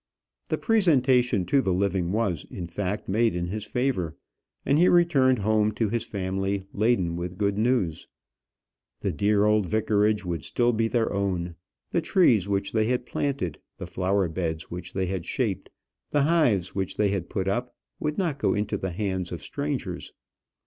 The presentation to the living was, in fact, made in his favour, and he returned home to his family laden with good news. The dear old vicarage would still be their own; the trees which they had planted, the flower beds which they had shaped, the hives which they had put up, would not go into the hands of strangers.